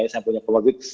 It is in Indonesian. yang punya comorbid